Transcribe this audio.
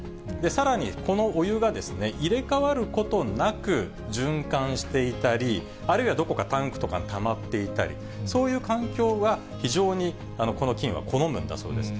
さらにこのお湯が入れ代わることなく循環していたり、あるいはどこかタンクとかにたまっていたり、そういう環境が非常にこの菌は好むんだそうです。